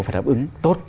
phải đáp ứng tốt